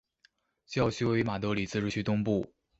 教区位于马德里自治区东部。